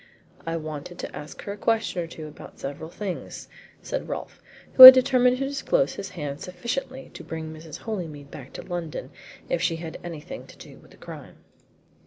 "I wanted to ask her a question or two about several things," said Rolfe, who had determined to disclose his hand sufficiently to bring Mrs. Holymead back to London if she had anything to do with the crime.